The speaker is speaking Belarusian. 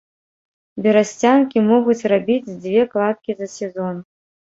Берасцянкі могуць рабіць дзве кладкі за сезон.